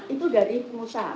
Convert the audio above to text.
itu dari pengusaha